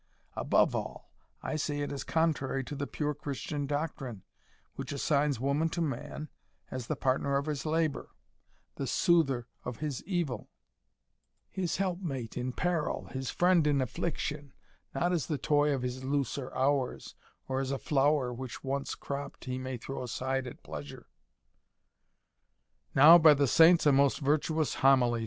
Above all, I say it is contrary to the pure Christian doctrine, which assigns woman to man as the partner of his labour, the soother of his evil, his helpmate in peril, his friend in affliction; not as the toy of his looser hours, or as a flower, which, once cropped, he may throw aside at pleasure." "Now, by the Saints, a most virtuous homily!"